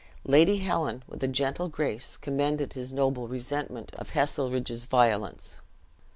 Lady Helen, with a gentle grace, commended his noble resentment of Heselrigge's violence.